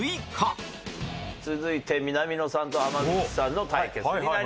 続いて南野さんと濱口さんの対決になります。